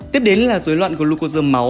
tiếp đến là dối loạn glucosa máu